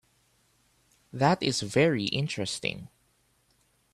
That is very interesting.